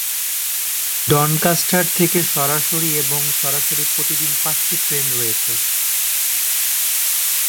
Doncaster থেকে সরাসরি এবং সরাসরি প্রতিদিন পাঁচটি ট্রেন রয়েছে।